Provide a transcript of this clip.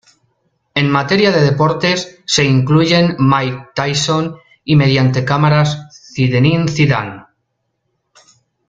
En materia de deportes, se incluyen Mike Tyson, y mediante cámaras Zinedine Zidane.